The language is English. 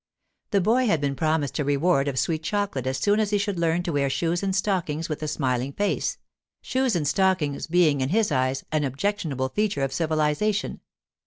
The boy had been promised a reward of sweet chocolate as soon as he should learn to wear shoes and stockings with a smiling face—shoes and stockings being, in his eyes, an objectionable feature of civilization.